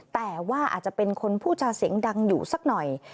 แต่ว่าอาจจะเป็นคนพูดจาเสียงดังอยู่สักหน่อย